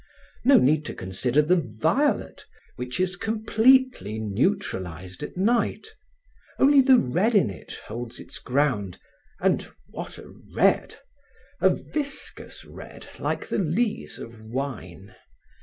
No need to consider the violet which is completely neutralized at night; only the red in it holds its ground and what a red! a viscous red like the lees of wine.